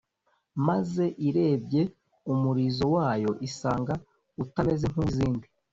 maze irebye umulizo wayo isanga utameze nk'uw'izindi.